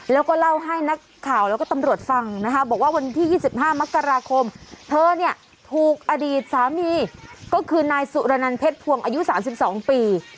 แล้วก็เล่าให้นักข่าวแล้วก็ตำรวจฟังนะคะบอกว่าวันที่๒๕มกราคมเธอเนี่ยถูกอดีตสามีก็คือนายสุรนันเพชรพวงอายุ๓๒ปี